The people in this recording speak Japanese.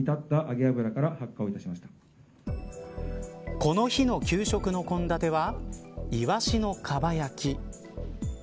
この日の給食の献立はいわしのかば焼き。